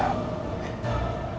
aku mau pergi ke rumah